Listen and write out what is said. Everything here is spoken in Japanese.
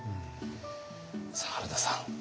さあ原田さん。